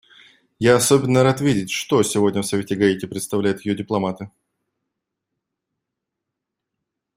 Я особенно рад видеть, что сегодня в Совете Гаити представляют ее дипломаты.